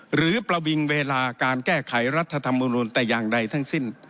หรือประวิงเวลาการแก้ไขรัฐธรรมนุนแต่อย่างใดทั้งสิ้น